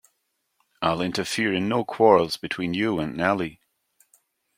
I’ll interfere in no quarrels between you and Nelly.